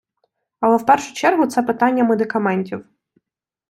Але в першу чергу це питання медикаментів.